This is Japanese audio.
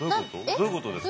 どういうことですか？